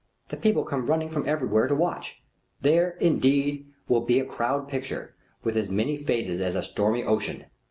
The people come running from everywhere to watch. Here indeed will be a Crowd Picture with as many phases as a stormy ocean.